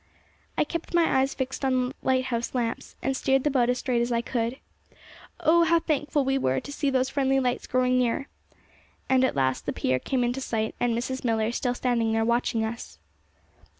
I kept my eyes fixed on the lighthouse lamps, and steered the boat as straight as I could. Oh! how thankful we were to see those friendly lights growing nearer. And at last the pier came in sight, and Mrs. Millar still standing there watching us.